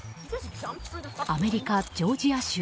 アメリカ・ジョージア州。